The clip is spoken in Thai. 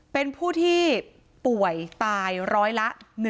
เป็นผู้ที่ป่วยตายร้อยละ๑